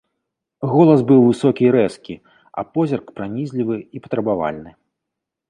Голас быў высокі і рэзкі, а позірк пранізлівы і патрабавальны.